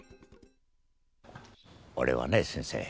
俺はね先生。